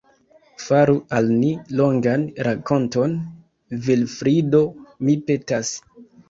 Faru al ni longan rakonton, Vilfrido, mi petas.